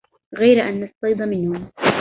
غير أن الصيد منهم